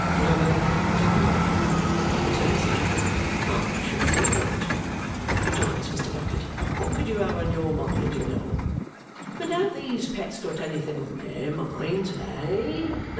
"Nothing particular," returns the trooper. "I should think not," rejoins Mr. Bucket. "What could you have on your mind, you know! And have these pets got anything on THEIR minds, eh?